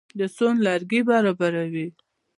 د سون لرګي برابروي.